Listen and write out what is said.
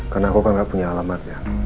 karena aku kan enggak punya alamatnya